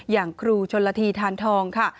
อย่างครูชนละทีทานทองค่ะ